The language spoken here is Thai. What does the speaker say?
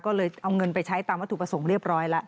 ก็เลยเอาเงินไปใช้ตามวัตถุประสงค์เรียบร้อยแล้ว